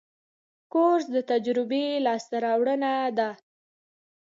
کورس د تجربې لاسته راوړنه ده.